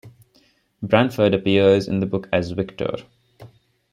Branford appears in the book as "Victor".